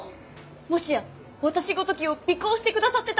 もしや私ごときを尾行してくださってたんですか？